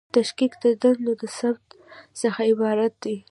تشکیل د دندو د تثبیت څخه عبارت دی.